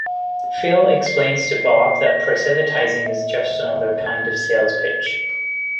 Phil explains to Bob that proselytizing is just another kind of sales pitch.